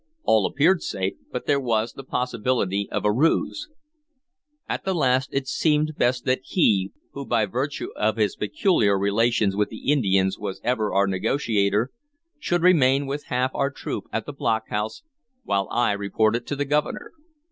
All appeared safe, but there was the possibility of a ruse. At the last it seemed best that he, who by virtue of his peculiar relations with the Indians was ever our negotiator, should remain with half our troop at the block house, while I reported to the Governor.